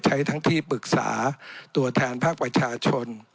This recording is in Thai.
ทั้งที่ปรึกษาตัวแทนภาคประชาชน